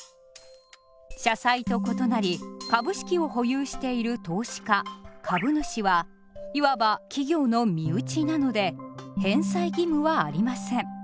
社債と異なり株式を保有している投資家・株主はいわば企業の身内なので返済義務はありません。